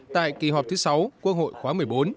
tại kỳ họp thứ sáu quốc hội khóa một mươi bốn